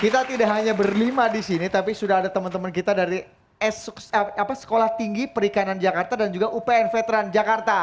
kita tidak hanya berlima di sini tapi sudah ada teman teman kita dari sekolah tinggi perikanan jakarta dan juga upn veteran jakarta